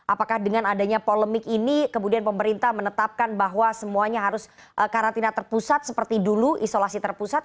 apakah dengan adanya polemik ini kemudian pemerintah menetapkan bahwa semuanya harus karantina terpusat seperti dulu isolasi terpusat